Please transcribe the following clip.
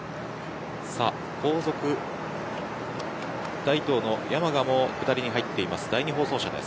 後続、大東の山賀も下りに入っています。